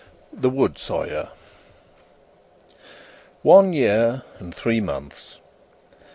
The Wood Sawyer One year and three months.